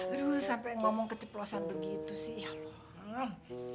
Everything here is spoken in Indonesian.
aduh sampai ngomong keceplosan begitu sih